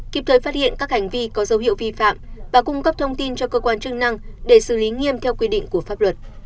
kịp thời phát hiện các hành vi có dấu hiệu vi phạm và cung cấp thông tin cho cơ quan chức năng để xử lý nghiêm theo quy định của pháp luật